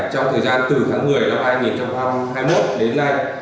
trong thời gian từ tháng một mươi năm hai nghìn hai mươi một đến nay